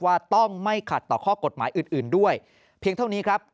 ว่าต้องไม่ขัดต่อข้อกฎหมายอื่นด้วยเพียงเท่านี้ครับ